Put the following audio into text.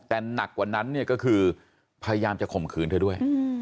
แต่หนักกว่านั้นเนี่ยก็คือพยายามจะข่มขืนเธอด้วย